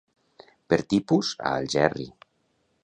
Per tipus, a Algerri.